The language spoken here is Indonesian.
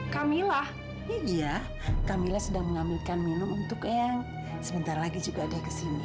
camilla camilla sedang mengambilkan minum untuk yang sebentar lagi juga ada kesini